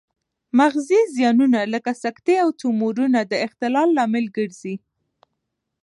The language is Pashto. مغزي زیانونه لکه سکتې او تومورونه د اختلال لامل ګرځي